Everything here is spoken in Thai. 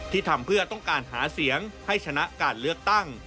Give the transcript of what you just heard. ทำเพื่อต้องการหาเสียงให้ชนะการเลือกตั้ง